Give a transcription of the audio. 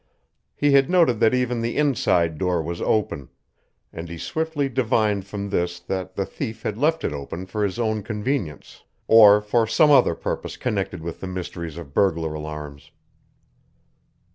He had noted that even the inside door was open, and he swiftly divined from this that the thief had left it open for his own convenience or for some other purpose connected with the mysteries of burglar alarms.